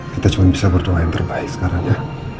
kita cuma bisa berdoa yang terbaik sekarang ya